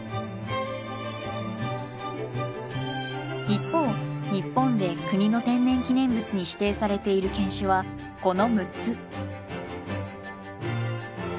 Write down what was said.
一方日本で国の天然記念物に指定されている犬種はこの６つ。